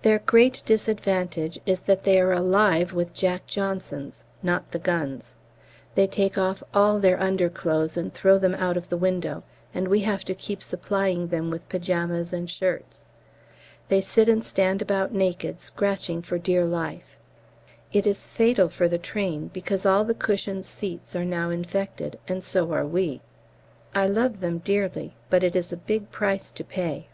Their great disadvantage is that they are alive with "Jack Johnsons" (not the guns). They take off all their underclothes and throw them out of the window, and we have to keep supplying them with pyjamas and shirts. They sit and stand about naked, scratching for dear life. It is fatal for the train, because all the cushioned seats are now infected, and so are we. I love them dearly, but it is a big price to pay.